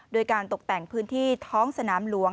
โดยการตกแต่งพื้นที่ท้องสนามหลวง